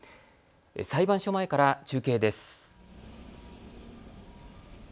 裁判所前から中継です。